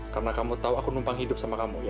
karena kamu tahu aku numpang hidup sama kamu ya